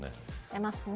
出ますね。